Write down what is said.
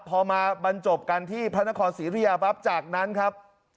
พอมาบรรจบกันที่พระนครศรีอุทยาปั๊บจากนั้นครับ